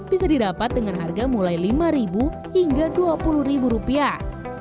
bisa didapat dengan harga mulai lima hingga dua puluh ribu rupiah